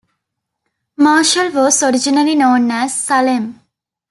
Marshall was originally known as "Salem".